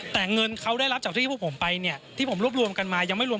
แต่เงินเขาได้รับจากที่พวกผมไปเนี่ยที่ผมรวบรวมกันมายังไม่รวม